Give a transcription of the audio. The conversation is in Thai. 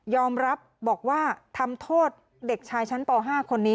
รับบอกว่าทำโทษเด็กชายชั้นป๕คนนี้